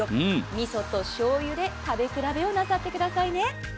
みそとしょうゆで食べ比べをなさってくださいね。